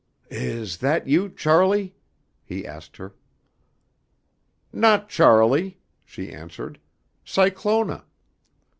"Is that you, Charlie," he asked her. "Not Charlie," she answered. "Cyclona."